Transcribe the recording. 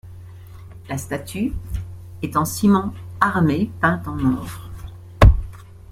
La statue est en ciment armé peint en or.